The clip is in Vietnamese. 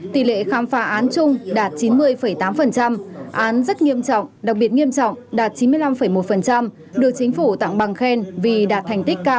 tỷ lệ khám phá án chung đạt chín mươi tám án rất nghiêm trọng đặc biệt nghiêm trọng đạt chín mươi năm một được chính phủ tặng bằng khen vì đạt thành tích cao